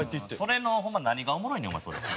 それのホンマ何がおもろいねんお前それ。